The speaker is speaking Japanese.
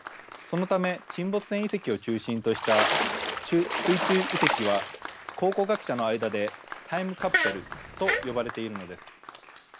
そのため沈没船遺跡を中心とした水中遺跡は考古学者の間でタイムカプセルと呼ばれているのです。